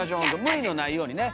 無理のないようにね。